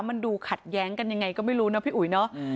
มันดูขัดแย้งกันยังไงก็ไม่รู้นะพี่อุ๋ยเนอะ